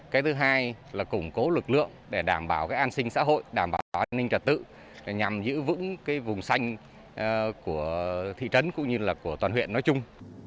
cái thứ hai là củng cố lực lượng để đảm bảo an sinh xã hội đảm bảo an ninh trật tự nhằm giữ vững vùng xanh của thị trấn cũng như là của toàn huyện nói chung